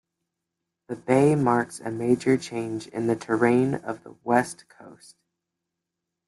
The bay marks a major change in the terrain of the west coast.